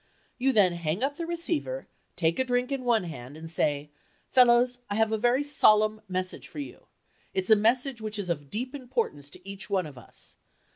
You then hang up the receiver, take a drink in one hand and say, "Fellows, I have a very solemn message for you. It's a message which is of deep importance to each one of us.